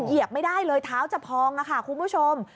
เหยียบไม่ได้เลยเท้าจะพองค่ะคุณผู้ชม